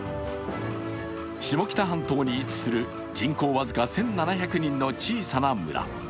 下北半島に位置する人口僅か１７００人の小さな村。